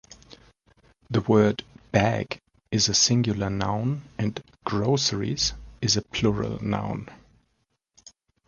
The word "bag" is a singular noun, and "groceries" is a plural noun.